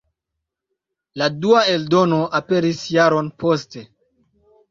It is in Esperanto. La dua eldono aperis jaron poste.